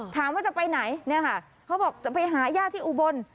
ถามว่าจะไปไหนเนี่ยค่ะเขาบอกจะไปหาญาติที่อุบล